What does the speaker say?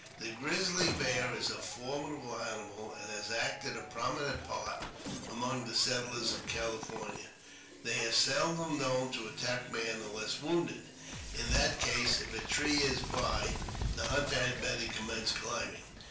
The grizzly bear is a formidable animal, and has acted a prominent part among the settlers of California. They are seldom known to attack a man unless wounded ; in that case, if a tree is by, the hunter had better commence climbing.